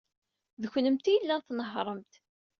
D kennemti ay yellan tnehhṛemt.